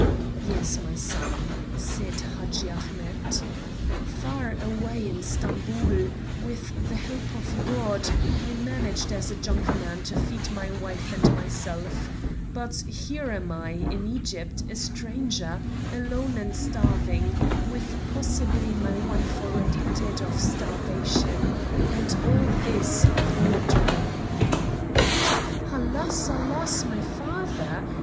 "Yes, my son," said Hadji Ahmet. "Far away in Stamboul, with the help of God, I managed as a junkman to feed my wife and myself; but here am I, in Egypt, a stranger, alone and starving, with possibly my wife already dead of starvation, and all this through a dream." "Alas! Alas! my father!